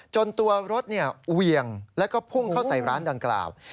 จนตัวรถเหวี่ยงแล้วก็พุ่งเข้าใส่ร้านดังกล่าว